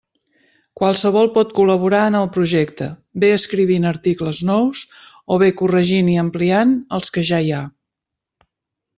Qualsevol pot col·laborar en el projecte, bé escrivint articles nous, o bé corregint i ampliant els que ja hi ha.